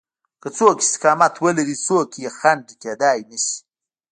که څوک استقامت ولري هېڅوک يې خنډ کېدای نشي.